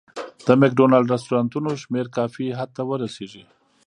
د مک ډونالډ رستورانتونو شمېر کافي حد ته ورسېږي.